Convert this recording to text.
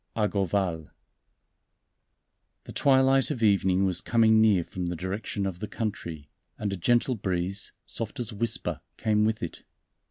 X Argoval THE twilight of evening was coming near from the direction of the country, and a gentle breeze, soft as a whisper, came with it.